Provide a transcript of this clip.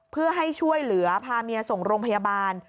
เพื่อให้ช่วยเหลือพาเมียส่งโรงพยาบาล